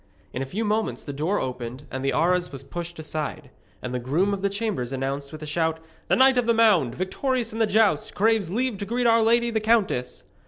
In a few moments the door opened and the arras was pushed aside, and the groom of the chambers announced with a shout: 'The Knight of the Mound, victorious in the joust, craves leave to greet our lady the countess.'